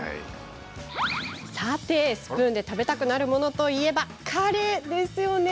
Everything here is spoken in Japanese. さてスプーンで食べたくなるといえばカレーですよね。